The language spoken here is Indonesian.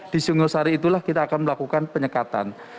di sungosari itulah kita akan melakukan penyekatan